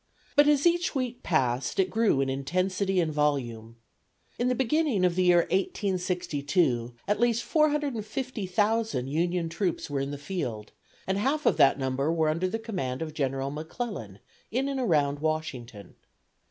But as each week passed it grew in intensity and volume. In the beginning of the year 1862 at least 450,000 Union troops were in the field, and half of that number were under the command of General McClellan in and around Washington.